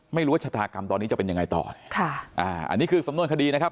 ไม่รู้ว่าชะตากรรมตอนนี้จะเป็นยังไงต่อค่ะอ่าอันนี้คือสำนวนคดีนะครับ